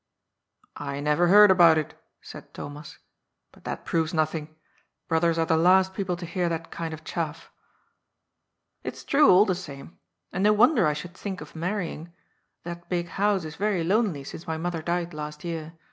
"I never heard about it," said Thomas. "But that proves nothing. Brothers are the last people to hear that kind of chaff." " It's true, all the same ; and no wonder I should think of marrying. That big house is very lonely since my mother died last year.